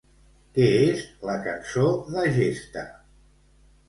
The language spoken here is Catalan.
Què és la cançó de gesta?